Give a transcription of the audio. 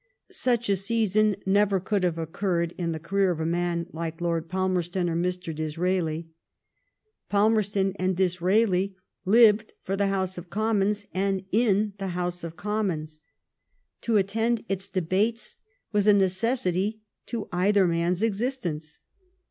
Such a season never could have occurred in the career of a man like Lord Palmerston or Mr. Disraeli. Palmerston and Disraeli lived for the House of Commons and in the House of Commons. To attend its debates was a necessity to either man s existence.